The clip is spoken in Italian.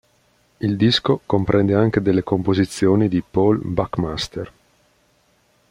Il disco comprende anche delle composizioni di Paul Buckmaster.